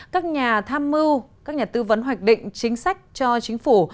các nhà tham mưu các nhà tư vấn hoạch định chính sách cho chính phủ